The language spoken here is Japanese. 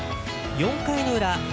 ４回の裏